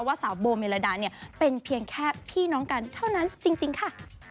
สาวโบเมลดาเนี่ยเป็นเพียงแค่พี่น้องกันเท่านั้นจริงค่ะ